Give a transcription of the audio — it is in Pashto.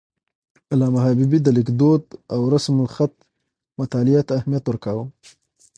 علامه حبيبي د لیک دود او رسم الخط مطالعې ته اهمیت ورکاوه.